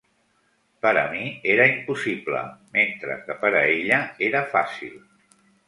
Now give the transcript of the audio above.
Per a mi era impossible, mentre que per a ella era fàcil.